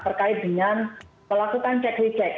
terkait dengan melakukan cek recek